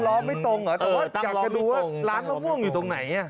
แต่ว่าอยากจะดูว่าร้างน้ำว่วงอยู่ตรงไหน